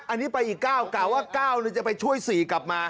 อันนี้ไปอีก๙กะว่า๙จะไปช่วย๔กลับมา